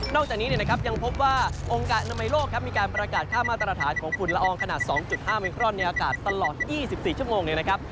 จากนี้นะครับยังพบว่าองค์การอนามัยโลกครับมีการประกาศค่ามาตรฐานของฝุ่นละอองขนาด๒๕มิครอนในอากาศตลอด๒๔ชั่วโมงเนี่ยนะครับ